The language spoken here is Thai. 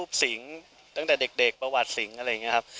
ด้านเด็กประวัติสิงห์อะไรอย่างเงี้ยครับ